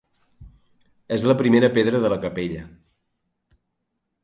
És la primera pedra de la capella.